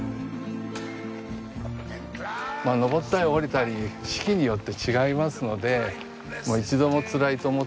登ったり下りたり四季によって違いますので一度もつらいと思ったこともないですね。